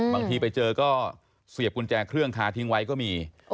บางทีไปเจอก็เสียบกุญแจเครื่องคาทิ้งไว้ก็มี